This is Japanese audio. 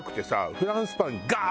フランスパンガー